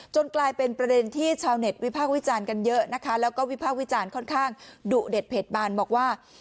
กลายเป็นประเด็นที่ชาวเน็ตวิพากษ์วิจารณ์กันเยอะนะคะแล้วก็วิพากษ์วิจารณ์ค่อนข้างดุเด็ดเผ็ดบานบอกว่า